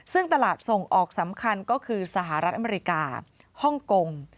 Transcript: ซึ่งตลาดส่งออกสำคัญก็คือสหรัฐอเมริกาฮ่องกง